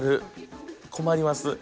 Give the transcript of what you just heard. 困ります。